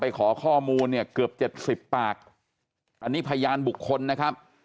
ขอข้อมูลเนี่ยเกือบเจ็ดสิบปากอันนี้พยานบุคคลนะครับ